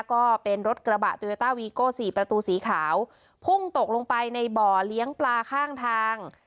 ก็เป็นรถกระบะโยต้าวีโก้สี่ประตูสีขาวพุ่งตกลงไปในบ่อเลี้ยงปลาข้างทาง